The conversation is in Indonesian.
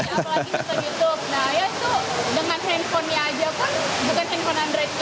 nah ayah itu dengan handphonenya aja pun bukan handphone android kayak jalan sekarang ya